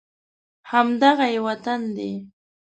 همدغه یې وطن دی